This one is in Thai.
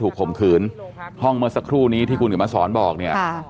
ถูกข่มขืนห้องเมื่อสักครู่นี้ที่กุหนีสอนบอกเนี่ยค่ะ